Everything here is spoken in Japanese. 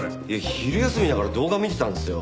昼休みだから動画見てたんですよ。